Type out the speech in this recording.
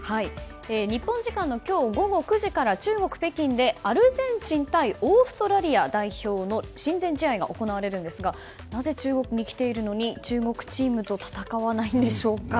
日本時間の今日午後９時から中国・北京で、アルゼンチン対オーストラリア代表の親善試合が行われるんですがなぜ中国に来ているのに中国チームと戦わないんでしょうか。